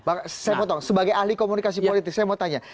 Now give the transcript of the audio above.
saya mau tanya sebagai ahli komunikasi politik saya mau tanya